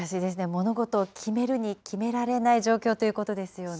物事を決めるに決められない状況ということですよね。